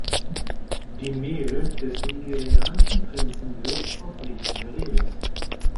Die Mail des nigerianischen Prinzen wirkt auf mich seriös.